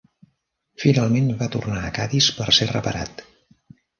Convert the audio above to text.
Finalment va tornar a Cadis per ser reparat.